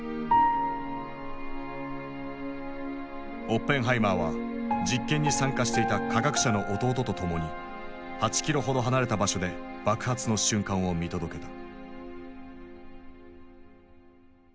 オッペンハイマーは実験に参加していた科学者の弟と共に８キロほど離れた場所で爆発の瞬間を見届けた。